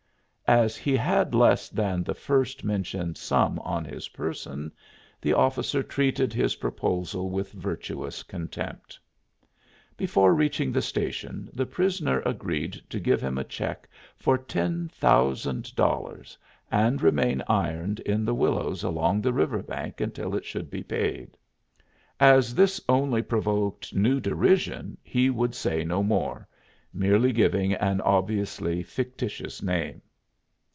As he had less than the first mentioned sum on his person the officer treated his proposal with virtuous contempt. Before reaching the station the prisoner agreed to give him a check for ten thousand dollars and remain ironed in the willows along the river bank until it should be paid. As this only provoked new derision he would say no more, merely giving an obviously fictitious name.